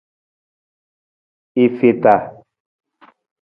I feta.